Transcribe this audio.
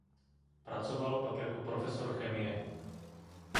Pracoval pak jako profesor chemie.